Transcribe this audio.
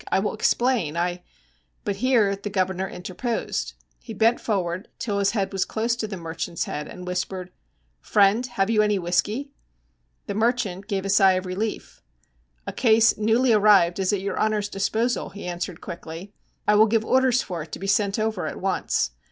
I will explain. I ' But here the governor interposed. He bent forward till his head was close to the merchant's head, and whispered: 'Friend, have you any whisky?' The merchant gave a sigh of relief. 'A case newly arrived is at your honour's disposal,' he answered quickly. 'I will give orders for it to be sent over at once.